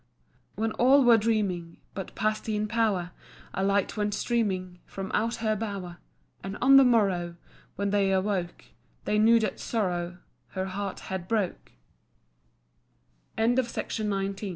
When all were dreaming But Pastheen Power, A light went streaming From out her bower; And on the morrow, When they awoke, They knew that sorrow Her heart had br